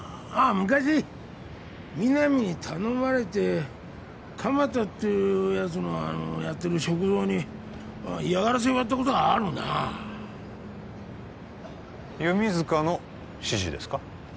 昔皆実に頼まれて鎌田っていうヤツのやってる食堂に嫌がらせをやったことがあるな弓塚の指示ですか？